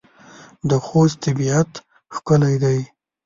د خوست طبيعت ښکلی دی.